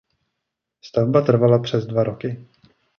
Stavba trvala přes dva roky.